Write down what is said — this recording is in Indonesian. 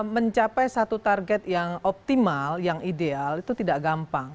mencapai satu target yang optimal yang ideal itu tidak gampang